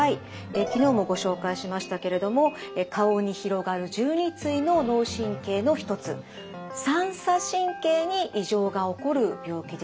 昨日もご紹介しましたけれども顔に広がる１２対の脳神経の一つ三叉神経に異常が起こる病気です。